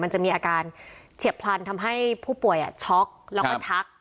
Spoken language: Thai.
จะมีอาการเฉียบพลันทำให้ผู้ป่วยช็อกแล้วก็ชัก